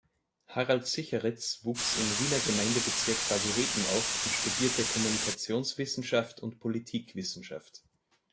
Harald Sicheritz wuchs im Wiener Gemeindebezirk Favoriten auf und studierte Kommunikationswissenschaft und Politikwissenschaft.